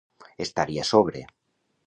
Estar-hi a sobre.